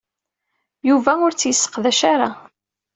Yuba ur tt-yesseqdac ara.